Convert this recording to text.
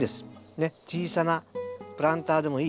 ねっ小さなプランターでもいい。